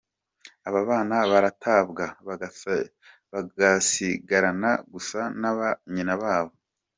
"Abo bana baratabwa, bagasigarana gusa na ba nyina babo.